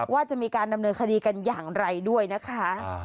ว่าจะมีการดำเนินคดีกันอย่างไรด้วยนะคะ